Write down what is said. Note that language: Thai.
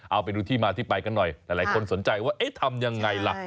เอาไปดูที่มาที่ไปกันหน่อยหลายคนสนใจว่าเอ๊ะทำยังไงล่ะ